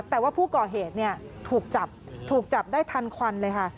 แต่ว่าผู้ก่อเหตุถูกจับถูกจับได้ทันควันเลยค่ะ